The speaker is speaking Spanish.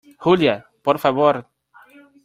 Julia , por favor .